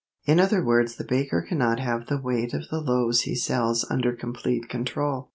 In other words the baker cannot have the weight of the loaves he sells under complete control.